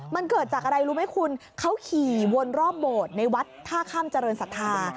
มันเกิดจากอะไรรู้ไหมคุณเขาขี่วนรอบโบสถ์ในวัดท่าข้ามเจริญศรัทธา